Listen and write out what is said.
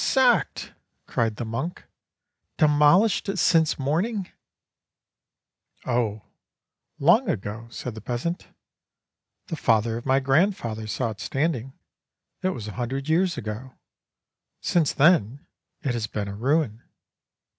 "Sackedl" cried the monk, "demolished since morning •" "Oh, long ago," said the peasant, "the father of my grandfather saw it standing it was a hundred years ago. Since then it has been a ruin."